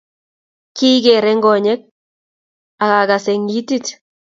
Kigeere eng konyek akegase eng itik